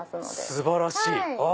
素晴らしい！